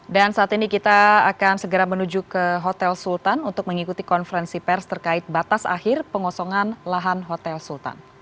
dan saat ini kita akan segera menuju ke hotel sultan untuk mengikuti konferensi pers terkait batas akhir pengosongan lahan hotel sultan